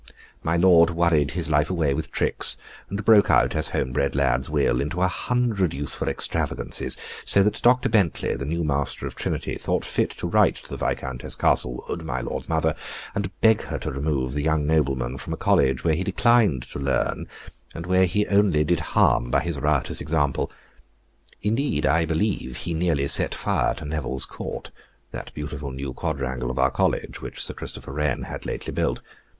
My lord worried his life away with tricks; and broke out, as home bred lads will, into a hundred youthful extravagances, so that Dr. Bentley, the new master of Trinity, thought fit to write to the Viscountess Castlewood, my lord's mother, and beg her to remove the young nobleman from a college where he declined to learn, and where he only did harm by his riotous example. Indeed, I believe he nearly set fire to Nevil's Court, that beautiful new quadrangle of our college, which Sir Christopher Wren had lately built.